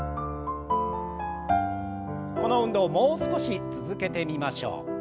この運動をもう少し続けてみましょう。